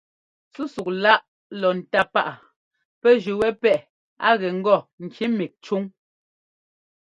Sɛ́súk-láꞌ lɔ ńtá páꞌa pɛ́ jʉ́ wɛ́ pɛ́ꞌɛ a gɛ ŋgɔ ŋki mík cúŋ.